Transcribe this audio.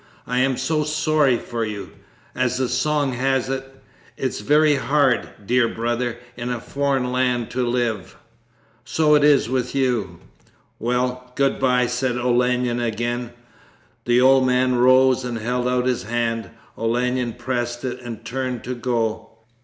I am so sorry for you. As the song has it: "It is very hard, dear brother, In a foreign land to live." So it is with you.' 'Well, good bye,' said Olenin again. The old man rose and held out his hand. Olenin pressed it and turned to go.